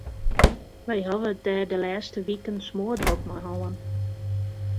Wy hawwe it der de lêste wiken smoardrok mei hân.